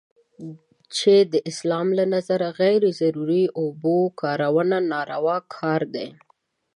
چې د اسلام له نظره غیر ضروري اوبو کارونه ناروا کار دی.